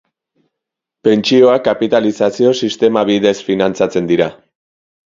Pentsioak kapitalizazio sistema bidez finantzatzen dira.